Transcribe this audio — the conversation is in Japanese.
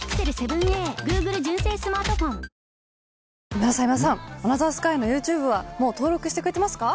今田さん今田さん『アナザースカイ』のＹｏｕＴｕｂｅはもう登録してくれてますか？